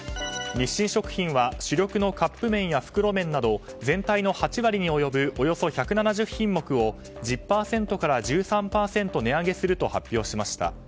日清食品は主力のカップ麺や袋麺など全体の８割に及ぶおよそ１７０品目を１０％から１３％値上げすると発表しました。